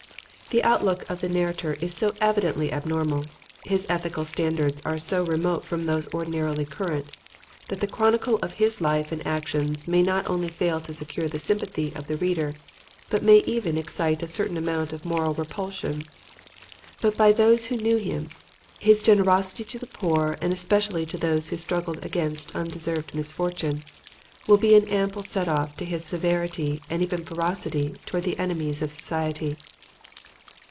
The outlook of the narrator is so evidently abnormal, his ethical standards are so remote from those ordinarily current, that the chronicle of his life and actions may not only fail to secure the sympathy of the reader but may even excite a certain amount of moral repulsion. But by those who knew him, his generosity to the poor, and especially to those who struggled against undeserved misfortune, will be an ample set off to his severity and even ferocity towards the enemies of society.